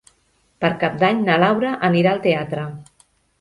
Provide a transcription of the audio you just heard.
Per Cap d'Any na Laura anirà al teatre.